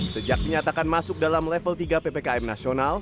sejak dinyatakan masuk dalam level tiga ppkm nasional